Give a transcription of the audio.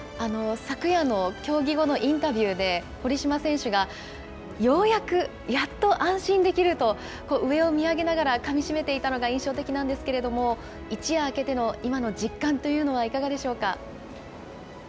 昨夜の競技後のインタビューで、堀島選手がようやく、やっと安心できると、上を見上げながらかみしめていたのが印象的なんですけれども、一夜明けての今の実感というのは、いかがでしょうか。